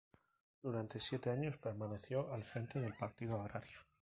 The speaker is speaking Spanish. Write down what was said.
Durante siete años permaneció al frente del partido agrario.